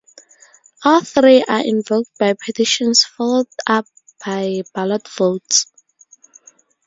All three are invoked by petitions followed up by ballot votes.